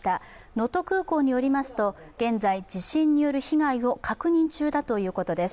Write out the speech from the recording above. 能登空港によりますと、現在、地震による被害を確認中だということです。